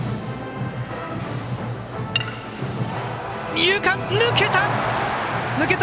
二遊間、抜けた！